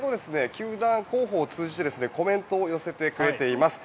球団広報を通じてコメントを寄せてくれています。